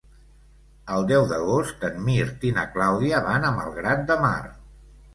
El deu d'agost en Mirt i na Clàudia van a Malgrat de Mar.